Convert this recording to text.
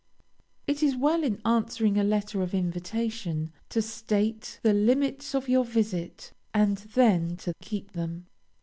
It is well in answering a letter of invitation, to state the limits of your visit, and then to keep them.